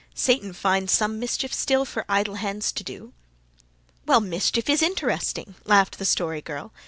'Satan finds some mischief still for idle hands to do!'" "Well, mischief is interesting," laughed the Story Girl.